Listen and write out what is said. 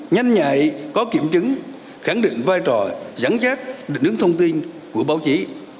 nhanh nhạy có kiểm chứng khẳng định vai trò giảng trách định ứng thông tin của báo chí